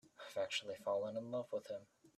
I've actually fallen in love with him.